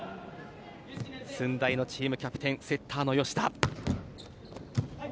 駿台のチームキャプテンセッターの吉田。